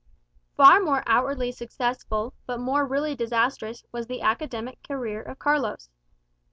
Far more outwardly successful, but more really disastrous, was the academic career of Carlos.